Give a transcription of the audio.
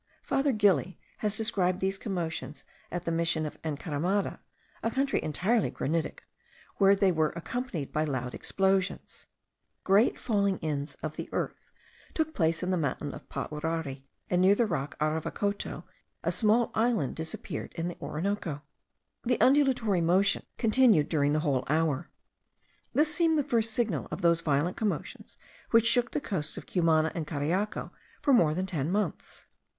Father Gili has described these commotions at the Mission of Encaramada, a country entirely granitic, where they were accompanied by loud explosions. Great fallings in of the earth took place in the mountain Paurari, and near the rock Aravacoto a small island disappeared in the Orinoco. The undulatory motion continued during a whole hour. This seemed the first signal of those violent commotions which shook the coasts of Cumana and Cariaco for more than ten months.